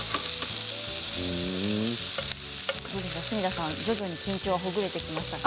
角田さん、徐々に緊張はほぐれてきましたか？